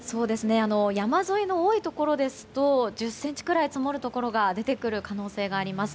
山沿いの多いところですと１０ｃｍくらい積もるところが出てくる可能性があります。